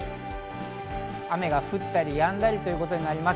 雨が降ったりやんだりということになります。